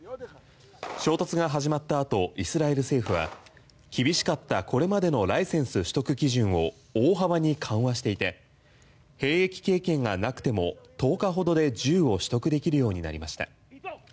衝突が始まった後イスラエル政府は厳しかった、これまでのライセンス取得基準を大幅に緩和していて兵器経験がなくても１０日ほどで銃を取得できるようになりました。